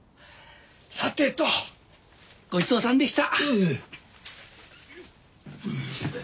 さてとごちそうさんでした。